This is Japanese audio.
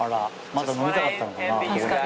まだ飲みたかったのかな。